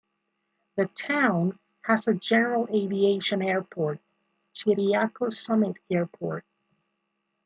The town has a general aviation airport, Chiriaco Summit Airport.